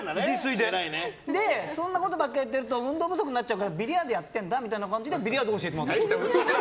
そんなことばっか言ってると運動不足になっちゃうからビリヤードやってるんだって感じでビリヤード教えてもらいました。